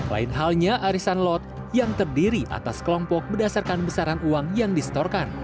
lain halnya arisan lot yang terdiri atas kelompok berdasarkan besaran uang yang distorkan